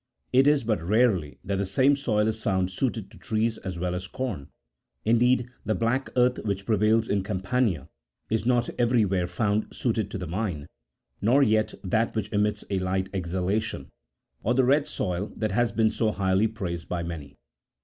It is but rarely that the same soil is found suited to trees as well as corn : indeed, the black30 earth which prevails in Campania is not everywhere found suited to the vine, nor yet that which emits light exhalations, or the red31 soil that has been so highly praised by many.